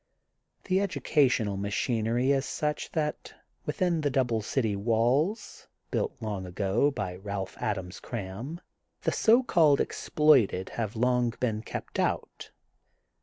The educational machinery is such that within the double city walls, built long ago by Balph Adams Cram, the so called "ex ploited have long been kept out.